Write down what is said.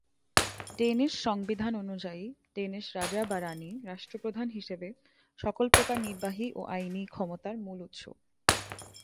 Danish সংবিধান অনুযায়ী Danish রাজা বা রানী, রাষ্ট্রপ্রধান হিসেবে, সকল প্রকার নির্বাহী ও আইনি ক্ষমতার মূল উৎস।